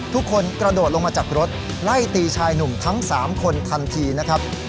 ทุกคนกระโดดลงมาจากรถไล่ตีชายหนุ่มทั้ง๓คนทันทีนะครับ